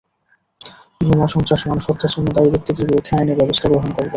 বোমা-সন্ত্রাস, মানুষ হত্যার জন্য দায়ী ব্যক্তিদের বিরুদ্ধে আইনি ব্যবস্থা গ্রহণ করবে।